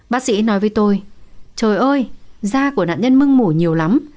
bác sĩ nói với tôi trời ơi da của nạn nhân mưng mủ nhiều lắm